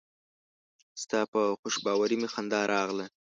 ستا په خوشباوري مې خندا راغله.